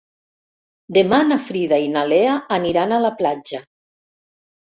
Demà na Frida i na Lea aniran a la platja.